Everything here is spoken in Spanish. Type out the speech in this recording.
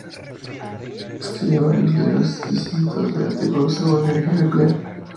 Escribió varios libros y cientos de artículos sobre energía nuclear.